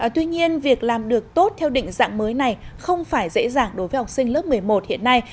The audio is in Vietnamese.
tuy nhiên việc làm được tốt theo định dạng mới này không phải dễ dàng đối với học sinh lớp một mươi một hiện nay